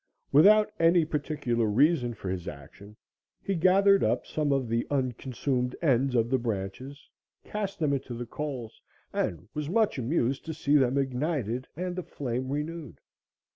Without any particular reason for his action, he gathered up some of the unconsumed ends of the branches, cast them into the coals, and was much amused to see them ignited and the flame renewed.